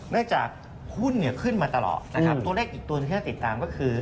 เนื่องจากหุ้นขึ้นมาตลอดตัวเลขอีกตัวหนึ่งที่ต้องติดตามก็คือ